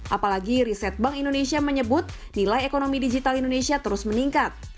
apalagi riset bank indonesia menyebut nilai ekonomi digital indonesia terus meningkat